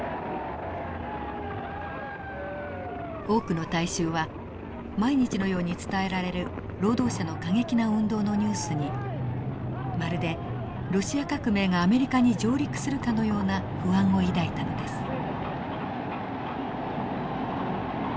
多くの大衆は毎日のように伝えられる労働者の過激な運動のニュースにまるでロシア革命がアメリカに上陸するかのような不安を抱いたのです。